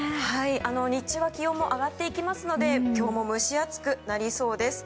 日中は気温も上がっていきますので今日も蒸し暑くなりそうです。